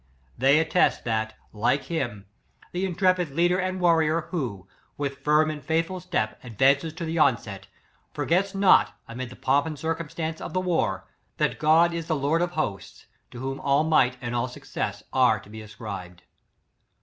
They attest, that, like him, the intrepid leader and the warrior, who, with firm and faithful step, advances to the onset, forgets not, amidst the pomp and circumstance of war, that God is the Lord of Hosts, to whom all might and all success are to be ascribed.